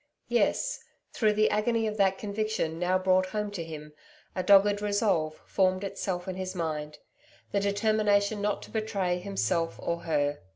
Yes, through the agony of that conviction now brought home to him, a dogged resolve formed itself in his mind the determination not to betray himself or her.